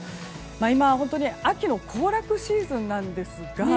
今は本当に秋の行楽シーズンなんですが。